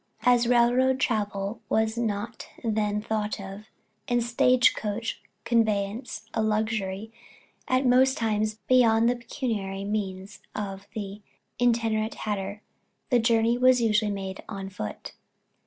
As railroad travel was not then thought of, and stage coach conveyance a luxury at most times beyond the pecuniary means of the itinerant hatter, the journey was usually made on foot.